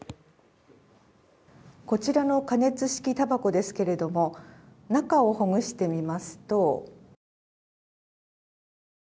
こちらの加熱式たばこですが中をほぐしてみますと。